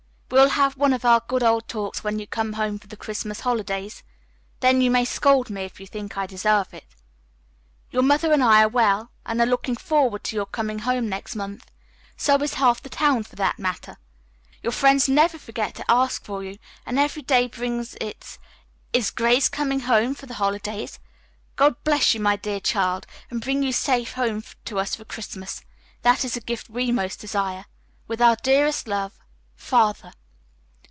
We will have one of our good old talks when you come home for the Christmas holidays. Then you may scold me, if you think I deserve it. "Your mother and I are well, and are looking forward to your home coming next month. So is half the town, for that matter. Your friends never forget to ask for you, and every day brings its, 'Is Grace coming home for the holidays?' God bless you, my dear child, and bring you safe home to us for Christmas. That is the gift we most desire. With our dearest love, "FATHER."